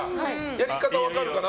やり方は分かるかな？